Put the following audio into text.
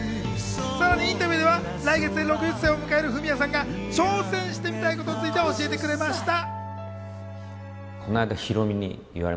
さらにインタビューでは来月で６０歳を迎えるフミヤさんが挑戦してみたいことについて教えてくれました。